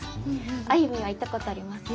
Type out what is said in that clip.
あゆみんは行ったことありますか？